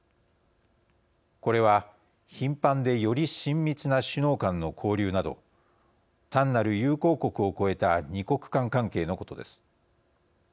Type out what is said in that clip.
これは頻繁で、より親密な首脳間の交流など単なる友好国を超えた２国間関係のことです。